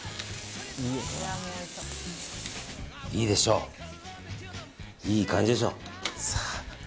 いいでしょういい感じでしょう。